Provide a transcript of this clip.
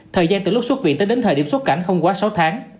thời gian từ lúc xuất viện tới đến thời điểm xuất cảnh không quá sáu tháng